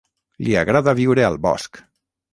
Li agrada viure al bosc.